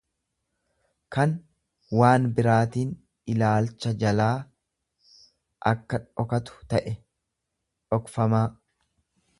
kan waan biraatiin ilaalcha jalaa akka dhokatu ta'e, dhokfamaa.